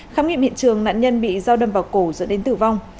khám nghiệm hiện trường nạn nhân bị dao đâm vào cổ dẫn đến tử vong